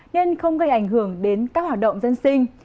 nên không gây ảnh hưởng đến các hoạt động dân sinh